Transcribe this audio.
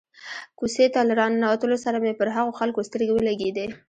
کوڅې ته له را ننوتلو سره مې پر هغو خلکو سترګې ولګېدې.